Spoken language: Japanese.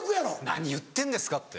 何言ってんですかって。